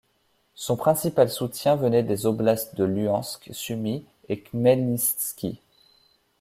Son principal soutien venait des oblasts de Luhansk, Sumy et Khmelnystsky.